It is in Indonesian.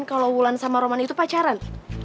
kalau wulan sama roman itu pacaran